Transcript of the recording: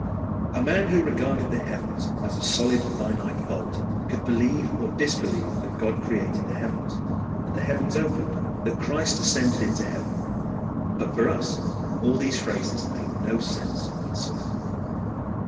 A man who regarded the heavens as a solid, finite vault could believe or disbelieve that God created the heavens, that the heavens opened, that Christ ascended into heaven, but for us all these phrases have no sense whatever.